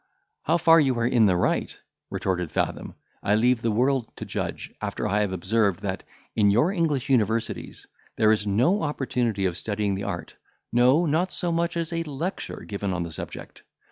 "How far you are in the right," retorted Fathom, "I leave the world to judge, after I have observed, that, in your English universities, there is no opportunity of studying the art; no, not so much as a lecture given on the subject.